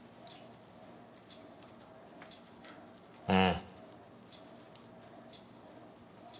ああ。